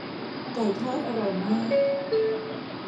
ไก่ทอดอร่อยมาก